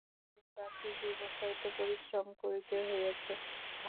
তারপর তোমাকে বাকী জীবনটাই তো পরিশ্রম করিতে হইয়াছে।